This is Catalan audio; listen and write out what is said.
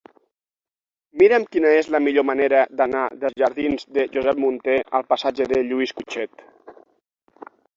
Mira'm quina és la millor manera d'anar dels jardins de Josep Munté al passatge de Lluís Cutchet.